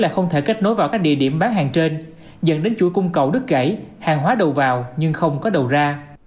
lại không thể kết nối vào các địa điểm bán hàng trên dẫn đến chuỗi cung cầu đứt gãy hàng hóa đầu vào nhưng không có đầu ra